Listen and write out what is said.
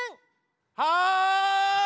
はい！